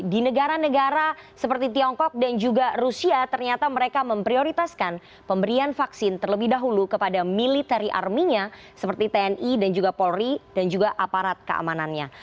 di negara negara seperti tiongkok dan juga rusia ternyata mereka memprioritaskan pemberian vaksin terlebih dahulu kepada military armynya seperti tni dan juga polri dan juga aparat keamanannya